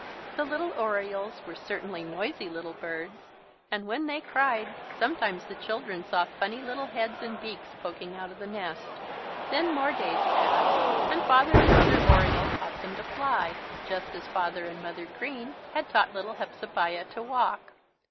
The little Orioles were certainly noisy little birds, and when they cried sometimes the children saw funny little heads and beaks poking out of the nest. Then more days passed and Father and Mother Oriole taught them to fly, just as Father and Mother Green had taught little Hepzebiah to walk.